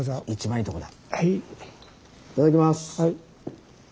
いただきます！